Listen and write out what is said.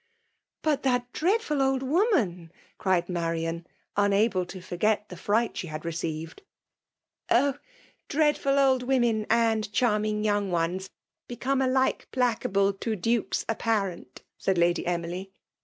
" But that dreadful old woman !'* cried Ma rian, unable to forget the fright she had re ceived. " Oh ! dreadful old women and charming young ones, become alike placable to IXikes apparent !" said Lady Emily.